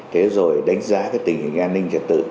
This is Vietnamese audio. thế rồi đánh giá cái tình hình an ninh trật tự